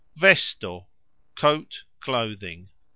vesto : coat, clothing.